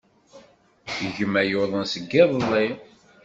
Gma yuḍen seg yiḍelli.